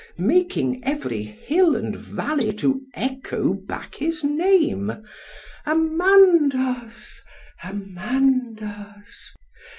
—_making every hill and valley to echo back his name—— _Amandus! Amandus!